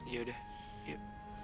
ya udah yuk